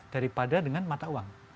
daripada dengan mata uang